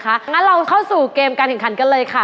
งั้นเราเข้าสู่เกมการแข่งขันกันเลยค่ะ